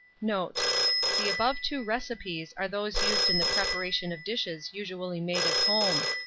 Note. The above two recipes are those used in the preparation of dishes usually made at home.